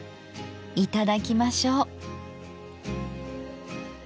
いただきましょう。